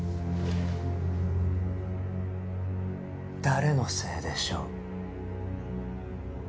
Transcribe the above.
誰のせいでしょう？